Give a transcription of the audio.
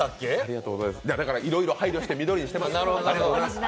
いろいろ配慮して緑にしてます。